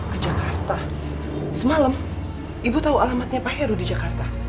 ke jakarta semalam ibu tahu alamatnya pak heru di jakarta